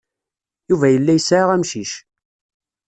Yuba yella yesɛa amcic.